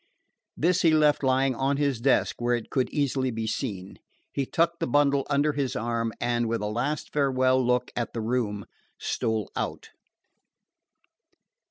This he left lying on his desk where it could easily be seen. He tucked the bundle under his arm, and, with a last farewell look at the room, stole out.